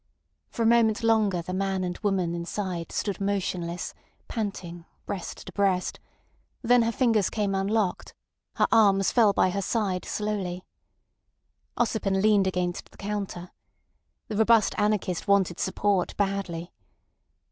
For a moment longer the man and the woman inside stood motionless, panting, breast to breast; then her fingers came unlocked, her arms fell by her side slowly. Ossipon leaned against the counter. The robust anarchist wanted support badly.